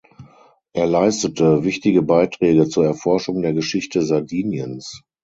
Er leistete wichtige Beiträge zur Erforschung der Geschichte Sardiniens.